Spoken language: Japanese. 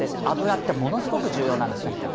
油ってものすごく重要なんですね。